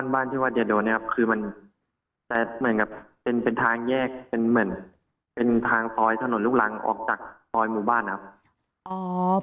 บ้านที่วัดเดียดโดนเป็นทางแยกเป็นทางต้อยถนนลูกหลังออกจากต้อยหมู่บ้านครับ